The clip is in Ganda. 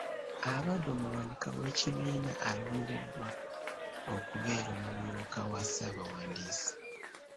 Abadde omuwanika w’ekibiina alondeddwa okubeera omumyuka wa ssaabawandiisi.